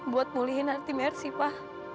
buat mulihin hati mersi pa